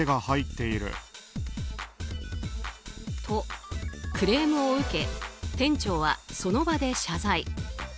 と、クレームを受け店長はその場で謝罪。